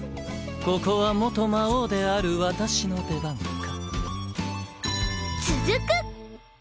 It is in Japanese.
ここは元魔王である私の出番か？